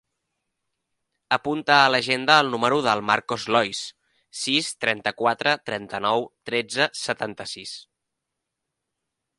Apunta a l'agenda el número del Marcos Lois: sis, trenta-quatre, trenta-nou, tretze, setanta-sis.